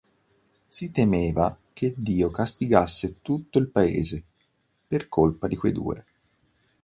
Si temeva che Dio castigasse tutto il paese per la colpa di quei due.